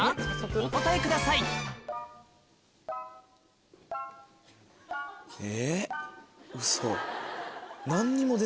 お答えくださいえっウソ。